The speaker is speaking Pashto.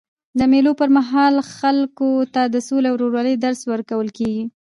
د مېلو پر مهال خلکو ته د سولي او ورورولۍ درس ورکول کېږي.